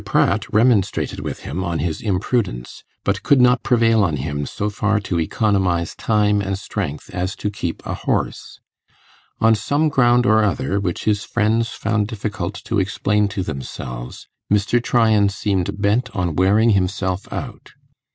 Pratt remonstrated with him on his imprudence, but could not prevail on him so far to economize time and strength as to keep a horse. On some ground or other, which his friends found difficult to explain to themselves, Mr. Tryan seemed bent on wearing himself out.